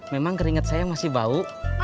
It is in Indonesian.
memang keringat saya masih bau